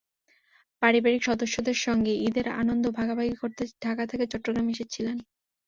পরিবারের সদস্যদের সঙ্গে ঈদের আনন্দ ভাগাভাগি করতে ঢাকা থেকে চট্টগ্রাম এসেছিলেন।